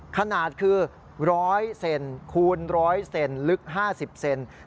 ขนาดคือ๑๐๐เซนติเมตรคูณ๑๐๐เซนติเมตรลึก๕๐เซนติเมตร